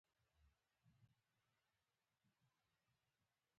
ازادي راډیو د بیکاري پر وړاندې د حل لارې وړاندې کړي.